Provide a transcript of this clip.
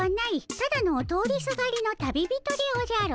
ただの通りすがりの旅人でおじゃる。